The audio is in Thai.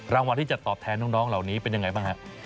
รางวัลที่จะตอบแทนน้องเหล่านี้เป็นยังไงบ้างฮะ